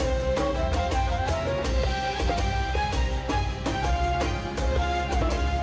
assalamualaikum warahmatullahi wabarakatuh